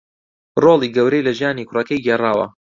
رۆڵی گەورەی لە ژیانی کوڕەکەی گێڕاوە